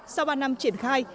sau ba năm triển khai